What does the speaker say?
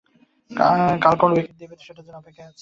কাল কোন উইকেট দেবে, সেটার জন্য অপেক্ষায় আছি।